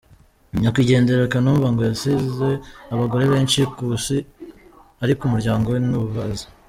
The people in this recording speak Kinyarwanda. Nyakwigendera Kanumba ngo yasize abagore benshi ku isi ariko umuryango we ntubazi!!.